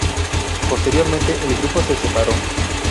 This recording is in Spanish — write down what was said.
Posteriormente, el grupo se separó.